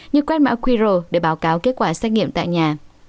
như quét mã qr để báo cáo kết quả xét nghiệm tại nhà